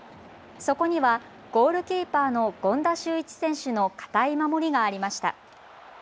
そこにはゴールキーパーの権田修一選手の堅い守りがありました。